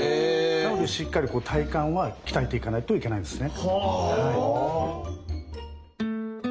なのでしっかり体幹は鍛えていかないといけないんですね。